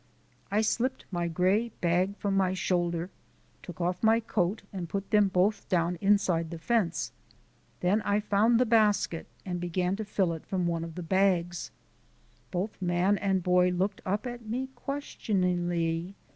I slipped my gray bag from my shoulder, took off my coat, and put them both down inside the fence. Then I found the basket and began to fill it from one of the bags. Both man and boy looked up at me questioningly.